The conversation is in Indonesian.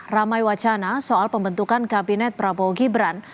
ramai wacana soal pembentukan kabinet prabowo gibran